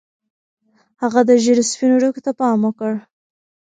هغه د ږیرې سپینو ډکو ته پام وکړ.